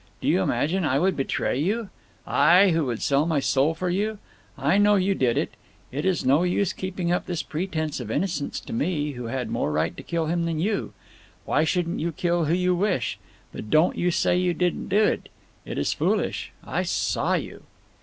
Do you imagine I would betray you? I, who would sell my soul for you! I know you did it. It is no use keeping up this pretence of innocence to me, who had more right to kill him than you. Why shouldn't you kill who you wish? But don't say you didn't do it. It is foolish. I saw you."